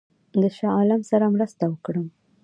د شاه عالم سره مرسته وکړم.